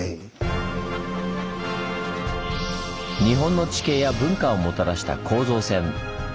日本の地形や文化をもたらした構造線。